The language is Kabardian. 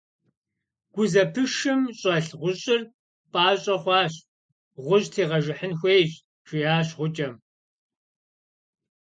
– Гузэпышым щӀэлъ гъущӀыр пӀащӀэ хъуащ, гъущӀ тегъэжыхьын хуейщ, – жиӀащ гъукӀэм.